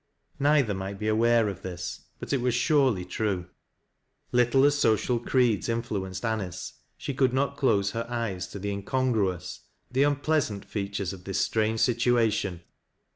Neither might be aware of this ; but it was surely true. Little as social creeds influenced A.nice, she could not close her eyes to the incongruous — the unpleasant features of this strange situation.